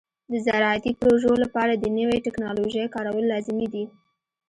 د زراعتي پروژو لپاره د نوې ټکنالوژۍ کارول لازمي دي.